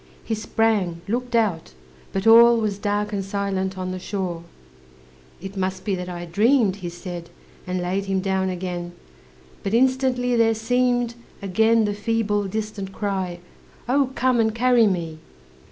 He sprang, looked out, but all Was dark and silent on the shore, "It must be that I dreamed," He said, and laid him down again; But instantly there seemed Again the feeble, distant cry, "Oh, come and carry me!"